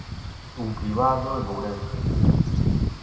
Un cribado en Ourense.